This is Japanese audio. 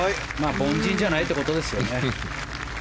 凡人じゃないってことですよね。